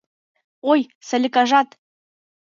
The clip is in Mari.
Ой, Саликажат!